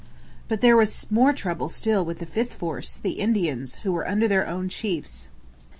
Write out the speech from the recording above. But there was more trouble still with the fifth force, the Indians, who were under their own chiefs.